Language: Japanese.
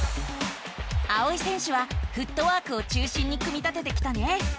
あおい選手はフットワークを中心に組み立ててきたね。